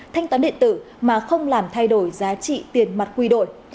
thanh toán điện tử mà không làm thay đổi giá trị tiền mặt quy đổi